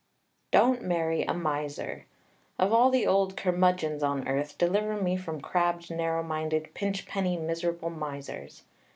Don't marry a miser. Of all the old "curmudgeons" on earth, deliver me from crabbed, narrow minded, pinch penny, miserable misers.